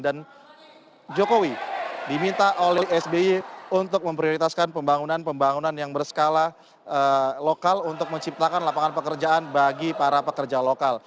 jokowi diminta oleh sby untuk memprioritaskan pembangunan pembangunan yang berskala lokal untuk menciptakan lapangan pekerjaan bagi para pekerja lokal